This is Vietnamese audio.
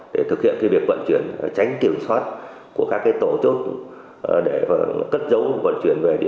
để thực hiện việc vận chuyển tránh kiểm soát của các tổ chốt để cất giấu vận chuyển về địa